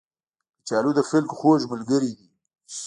کچالو د خلکو خوږ ملګری دی